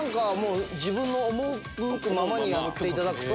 自分の赴くままにやっていただくと。